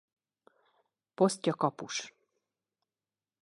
Posztja kapus.